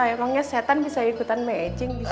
emangnya setan bisa ikutan mejeng